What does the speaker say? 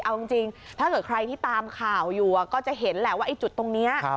เอาจริงถ้าเกิดใครที่ตามข่าวอยู่ก็จะเห็นแหละว่าไอ้จุดตรงนี้